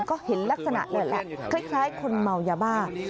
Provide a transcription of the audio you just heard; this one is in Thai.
ก็เห็นลักษณะนี่แหละคล้ายคนเมายาบ้า